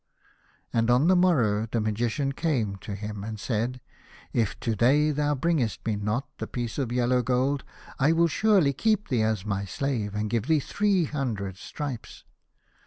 And on the morrow the Magician came to 151 A House of Pomegranates. him, and said, " If to day thou bringest me not the piece of yellow gold, I will surely keep thee as my slave, and give thee three hundred stripes."